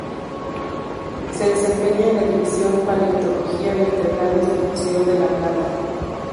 Se desempeña en la División Paleontología Vertebrados del Museo de La Plata.